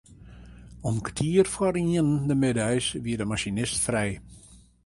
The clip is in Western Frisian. Om kertier foar ienen de middeis wie de masinist frij.